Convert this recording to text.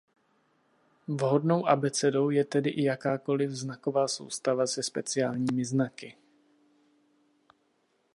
Vhodnou abecedou je tedy i jakákoliv znaková soustava se speciálními znaky.